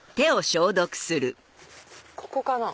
ここかな？